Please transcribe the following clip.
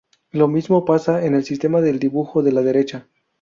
Lo mismo pasa en el sistema del dibujo de la derecha.